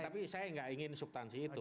tapi saya nggak ingin subtansi itu